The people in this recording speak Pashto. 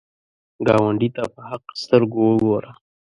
ګاونډي ته په حق سترګو وګوره